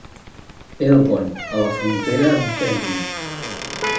Elgon a la frontera amb Kenya.